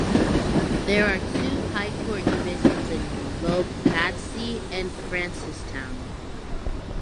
There are two High Court divisions in Lobatse and Francistown.